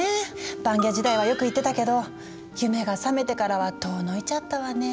バンギャ時代はよく行ってたけど夢がさめてからは遠のいちゃったわね。